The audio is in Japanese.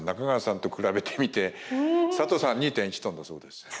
中川さんと比べてみてサトウさん２．１トンだそうです。